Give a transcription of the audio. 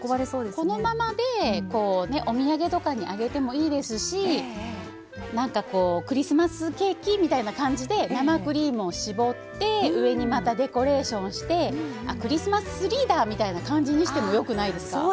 このままでお土産とかにあげてもいいですしなんかクリスマスケーキみたいな感じで生クリームを絞って上にまたデコレーションをしてクリスマスツリーだ！みたいな感じにしてもよくないですか。